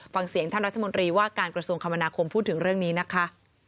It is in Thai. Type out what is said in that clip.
ฟังเสียงท่านรัฐมนตรีว่าการกระทรวงคมนาคมพูดถึงเรื่องนี้นะคะ